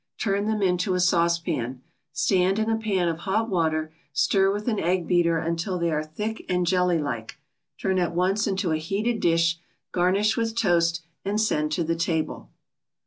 Turn them into a saucepan, stand in a pan of hot water, stir with an egg beater until they are thick and jelly like. Turn at once into a heated dish, garnish with toast and send to the table.